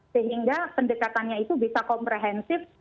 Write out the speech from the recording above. sehingga pendekatannya itu bisa komprehensif